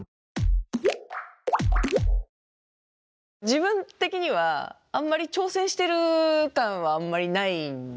自分的にはあんまり挑戦してる感はないんですよね。